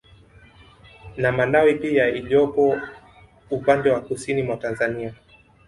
Na malawi pia iliyopo upande wa Kusini mwa Tanzania